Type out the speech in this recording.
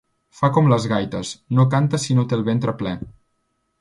Fa com les gaites: no canta si no té el ventre ple.